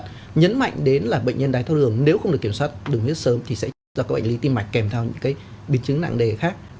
và nhấn mạnh đến là bệnh nhân đài tho đường nếu không được kiểm soát đường huyết sớm thì sẽ do các bệnh lý tim mạch kèm theo những cái biến chứng nặng đề khác